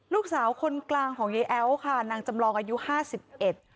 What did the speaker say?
ลูกสาวคนกลางของยายแอ๋วค่ะนางจำลองอายุห้าสิบเอ็ด